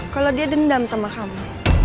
kalau dia dendam sama hama